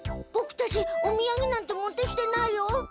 ボクたちおみやげなんて持ってきてないよ。